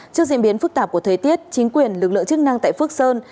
trước diễn biến phức tạp của thời tiết chính quyền lực lượng chức năng tại phước sơn